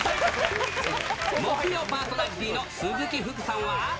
木曜パーソナリティーの鈴木福さんは。